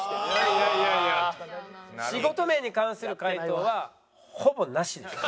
仕事面に関する回答はほぼなしでした。